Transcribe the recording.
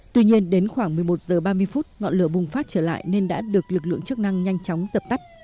tuy nhiên đến khoảng một mươi một h ba mươi ngọn lửa bùng phát trở lại nên đã được lực lượng chức năng nhanh chóng dập tắt